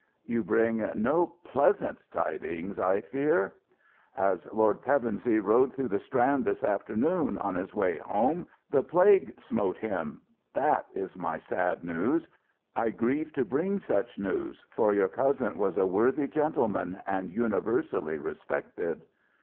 "You bring no pleasant tidings, I fear " "As Lord Pevensey rode through the Strand this afternoon, on his way home, the Plague smote him. That is my sad news. I grieve to bring such news, for your cousin was a worthy gentleman and universally respected."